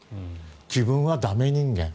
自分は駄目人間。